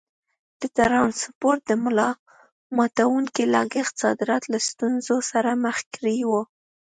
د ټرانسپورټ ملا ماتوونکي لګښت صادرات له ستونزو سره مخ کړي وو.